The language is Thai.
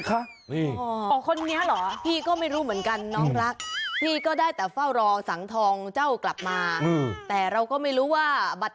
นั่นไงทำไมคุณต้องเล่นเป็นบะหมะเหสีด้วย